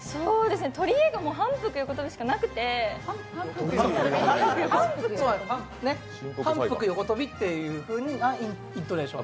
取り柄が反復横跳びしかなくてそうね、反復、横跳びっていうイントネーション。